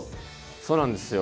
そうなんですよ。